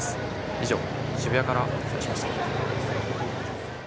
以上、渋谷からお伝えしました。